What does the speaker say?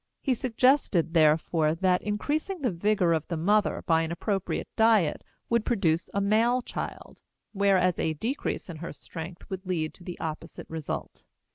He suggested, therefore, that increasing the vigor of the mother by an appropriate diet would produce a male child, whereas a decrease in her strength would lead to the opposite result.